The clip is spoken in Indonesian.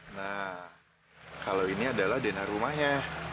nah kalau ini adalah dana rumahnya